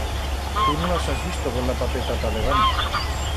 Tu no las has visto con la pateta ta debant.